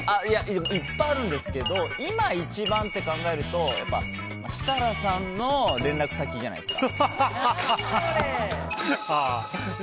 いっぱいあるんですけど今一番って考えるとやっぱ設楽さんの連絡先じゃないですか。